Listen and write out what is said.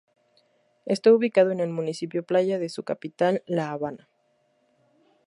Está ubicado en el municipio Playa de su capital, La Habana.